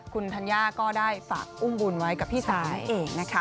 คุณธัญญาก็ได้ฝากอุ้มบุญไว้กับพี่สาวนั่นเองนะคะ